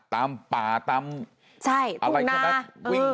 ตามป่าตามอะไรก็แม่ง